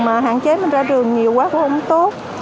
mà hạn chế mình ra trường nhiều quá cũng không tốt